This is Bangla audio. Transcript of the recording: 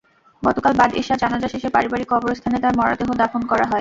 গতকাল বাদ এশা জানাজা শেষে পারিবারিক কবরস্থানে তাঁর মরদেহ দাফন করা হয়।